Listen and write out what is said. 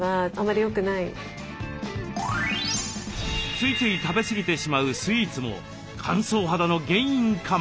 ついつい食べすぎてしまうスイーツも乾燥肌の原因かも。